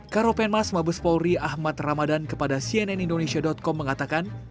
karopen mas mabes polri ahmad ramadhan kepada cnn indonesia com mengatakan